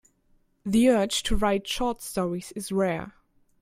The urge to write short stories is rare.